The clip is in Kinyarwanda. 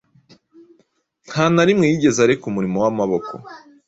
nta na rimwe yigeze areka umurimo w’amaboko,